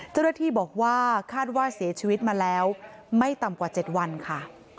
เจ้าหน้าที่บอกว่าคาดว่าเสียชีวิตมาแล้วไม่ต่ำกว่า๗วันค่ะ